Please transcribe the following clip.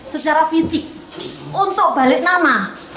secara fisik untuk balik nama